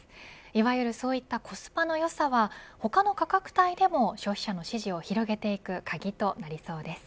いわゆるそういったコスパの良さは他の価格帯でも消費者の支持を広げていく鍵となりそうです。